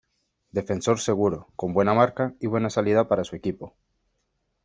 Defensor seguro, con buena marca y buena salida para su equipo.